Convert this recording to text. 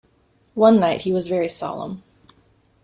One night he was very solemn.